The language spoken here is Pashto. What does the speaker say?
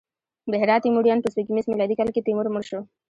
د هرات تیموریان: په سپوږمیز میلادي کال کې تیمور مړ شو.